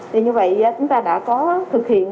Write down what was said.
thì như vậy chúng ta đã có thực hiện